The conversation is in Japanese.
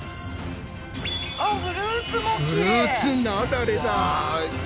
あっフルーツもきれい！